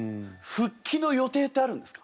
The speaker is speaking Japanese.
復帰の予定ってあるんですか？